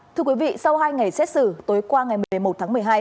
thưa quý vị sau hai ngày xét xử tối qua ngày một mươi một tháng một mươi hai